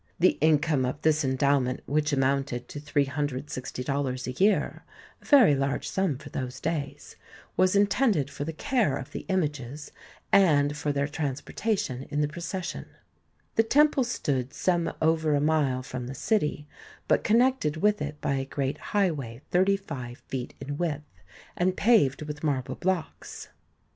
The income of this endowment, which amounted to $360 a year, a very large sum for those days, was intended for the care of the images, and for their transportation in the pro THE TEMPLE OF DIANA 115 cession. The temple stood some over a mile from the city, but connected with it by a great highway thirty five feet in width, and paved with marble blocks.